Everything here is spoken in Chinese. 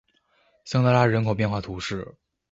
桑德拉人口变化图示